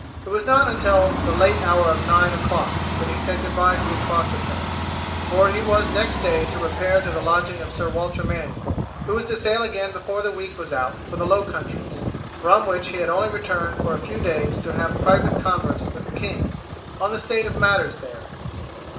It was not until the late hour of nine o'clock that he said goodbye to his foster parents, for he was next day to repair to the lodging of Sir Walter Manny, who was to sail again before the week was out for the Low Countries, from which he had only returned for a few days to have private converse with the king on the state of matters there.